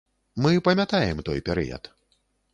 Мы памятаем той перыяд.